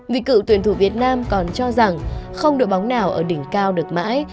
vì cựu tuyển thủ việt nam còn cho rằng không đội bóng nào ở đỉnh cao được mãi